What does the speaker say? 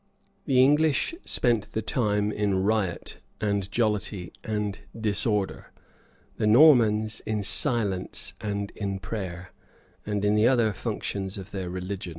The English spent the time in riot, and jollity, and disorder; the Normans, in silence, and in prayer, and in the other functions of their religion.